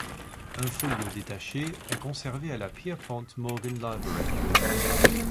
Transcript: Un folio détaché est conservé à la Pierpont Morgan Library.